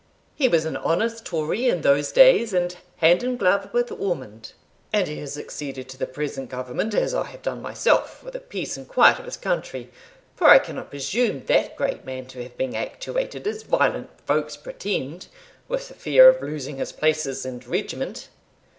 He was an honest Tory in those days, and hand and glove with Ormond. And he has acceded to the present Government, as I have done myself, for the peace and quiet of his country; for I cannot presume that great man to have been actuated, as violent folks pretend, with the fear of losing his places and regiment.